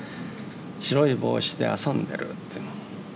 白い帽子であそんでる。」っていう。